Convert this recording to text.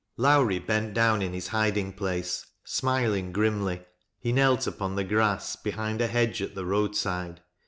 Lowrie bent down in his hiding place, smiling grimly He knelt upon the grass behind a hedge at the road side.